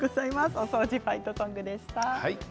「お掃除ファイトソング」でした。